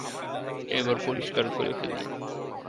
এবার পরিস্কার করে ফেলি।